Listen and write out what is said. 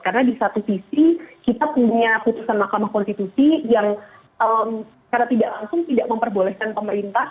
karena di satu sisi kita punya putusan mahkamah konstitusi yang secara tidak langsung tidak memperbolehkan pemerintah